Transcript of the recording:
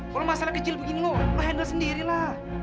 kalau masalah kecil begini lo handle sendiri lah